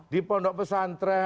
di pondok pesantren